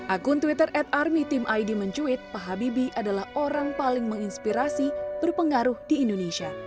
akun twitter at army tim id mencuit pak habibie adalah orang paling menginspirasi berpengaruh di indonesia